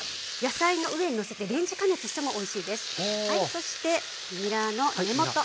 そしてにらの根元。